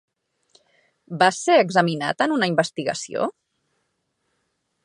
Vas ser examinat a una investigació?